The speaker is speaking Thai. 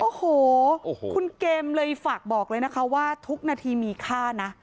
โอ้โหคุณเกมเลยฝากบอกเลยนะคะว่าทุกนาทีมีค่านะ